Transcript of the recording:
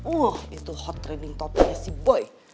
wah itu hot trending topnya si boy